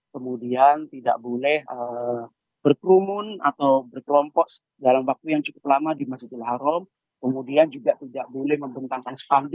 kemudian tidak boleh berkerumun atau berkelompok dalam wakil masjid